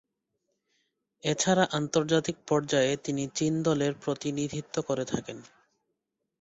এছাড়া আন্তর্জাতিক পর্যায়ে তিনি চীন দলের প্রতিনিধিত্ব করে থাকেন।